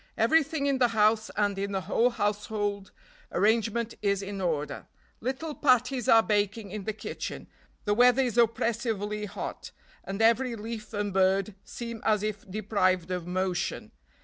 Everything in the house and in the whole household arrangement is in order. Little patties are baking in the kitchen, the weather is oppressively hot, and every leaf and bird seem as if deprived of motion.